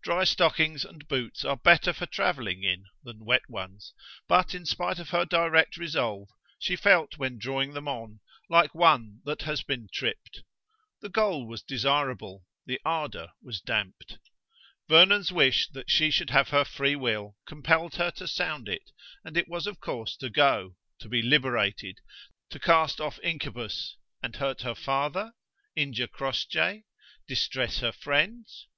Dry stockings and boots are better for travelling in than wet ones, but in spite of her direct resolve, she felt when drawing them on like one that has been tripped. The goal was desirable, the ardour was damped. Vernon's wish that she should have her free will compelled her to sound it: and it was of course to go, to be liberated, to cast off incubus and hurt her father? injure Crossjay? distress her friends?